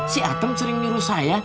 si atem sering nyuruh saya